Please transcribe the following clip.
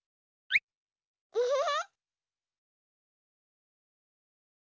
ウフフ。